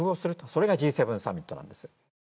それがＧ７サミットなんです。